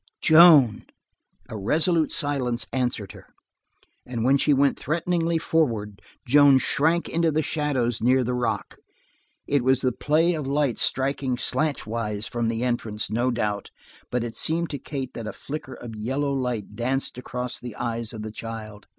"Joan!" A resolute silence answered her, and when she went threateningly forward, Joan shrank into the shadows near the rock. It was the play of light striking slantwise from the entrance, no doubt, but it seemed to Kate that a flicker of yellow light danced across the eyes of the child.